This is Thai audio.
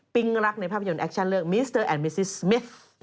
ปิ้งรักในภาพยนตร์แอคชั่นเลือกมิสเตอร์มิสซิสซมิฟฟ์